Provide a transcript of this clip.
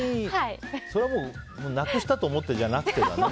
それはもうなくしたと思ってじゃなくてだね。